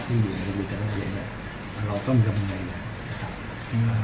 ที่อยู่ในวิทยาลักษณ์โรงเรียนเราต้องมีความภรรยายังไง